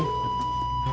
hah gak usah